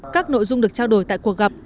các nội dung được trao đổi tại cuộc gặp